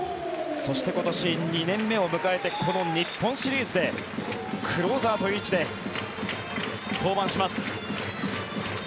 そして、今年２年目を迎えてこの日本シリーズでクローザーという位置で登板します。